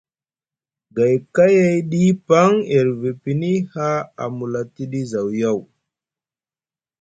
Gay kayayɗi paŋ e rivi pini haa a mula tiɗi zaw yaw.